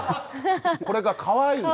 これがかわいいと？